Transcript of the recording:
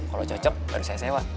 kalau cocok baru saya sewa